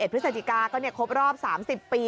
พฤษฎิกาก็เนี่ยครบรอบ๓๐ปี